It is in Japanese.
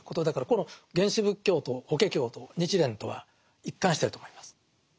だからこの原始仏教と「法華経」と日蓮とは一貫してると思います。